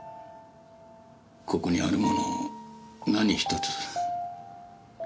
ここにあるもの何一つ。